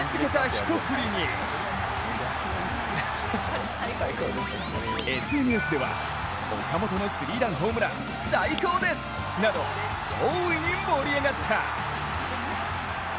１振りにＳＮＳでは、岡本のスリーランホームラン最高です！など大いに盛り上がった。